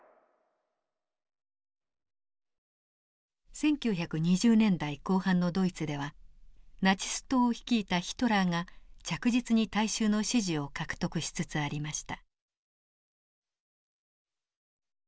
１９２０年代後半のドイツではナチス党を率いたヒトラーが着実に大衆の支持を獲得しつつありました。